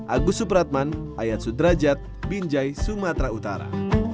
agus supratman ayat sudrajat binjai sumatera utara